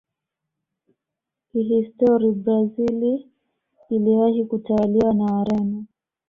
kihistori brazil iliwahi kutawaliwa na Wareno